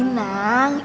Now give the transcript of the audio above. tidak ada tempat lain